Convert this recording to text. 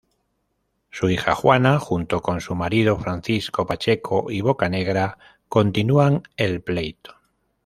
Su hija Juana junto con su marido Francisco Pacheco y Bocanegra continúan el pleito.